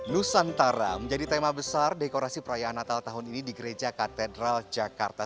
nusantara menjadi tema besar dekorasi perayaan natal tahun ini di gereja katedral jakarta